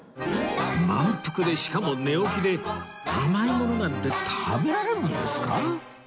満腹でしかも寝起きで甘いものなんて食べられるんですか？